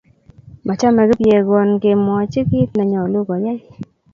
Machame Kipyego kemwochi kit ne nyolu koyai.